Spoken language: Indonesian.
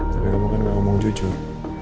tapi kamu kan gak ngomong jujur